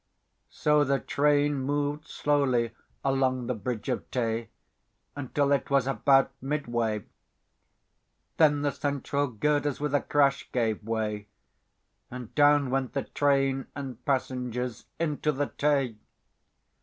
So the train mov'd slowly along the Bridge of Tay, Until it was about midway, Then the central girders with a crash gave way, And down went the train and passengers into the Tay!